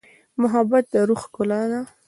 محبت د روح ښکلا ده.